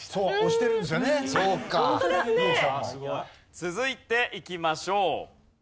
続いていきましょう。